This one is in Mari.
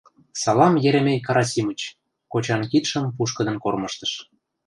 — Салам, Еремей Карасимыч! — кочан кидшым пушкыдын кормыжтыш.